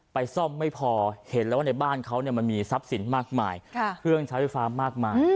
ซ่อมไม่พอเห็นแล้วว่าในบ้านเขามันมีทรัพย์สินมากมายเครื่องใช้ไฟฟ้ามากมาย